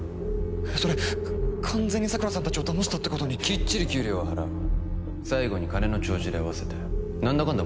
それ完全に桜さん達をだましたってことにきっちり給料は払う最後に金の帳尻合わせてなんだかんだ